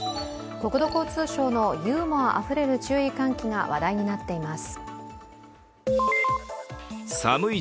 国土交通省のユーモアあふれる注意喚起が話題となっています。